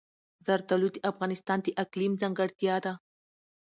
زردالو د افغانستان د اقلیم ځانګړتیا ده.